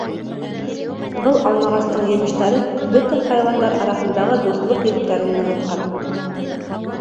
Был алмағастың емештәре бөтә хайуандар араһындағы дуҫлыҡ ептәрен нығытҡан.